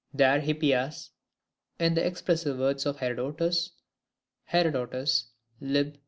There Hippias (in the expressive words of Herodotus) [Herod. lib.